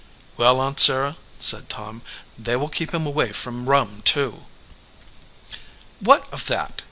"Well, Aunt Sarah," said Tom, "they will keep him away from rum, too/ "What of that?"